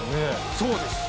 そうですよ。